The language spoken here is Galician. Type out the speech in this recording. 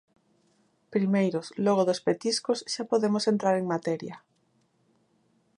Primeiros Logo dos petiscos xa podemos entrar en materia.